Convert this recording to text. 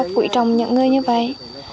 phụ trọng những người như vậy